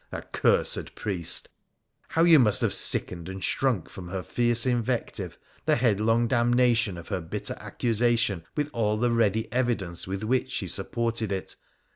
Ac cursed priest ! how you must have sickened and shrunk from her fierce invective, the headlong damnation of her bitter accusation with all the ready evidence with which she sup ported it.